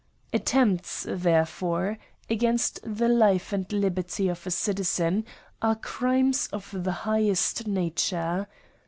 Attempts, therefore, against the life and liberty of a citizen are crimes of the highest nature.